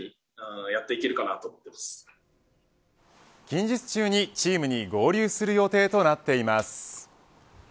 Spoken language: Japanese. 近日中にチームに合流する予定となっています。